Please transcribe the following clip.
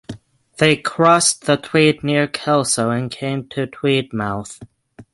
They crossed the Tweed near Kelso and came to Tweedmouth.